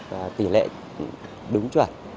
và tỉ lệ đúng chuẩn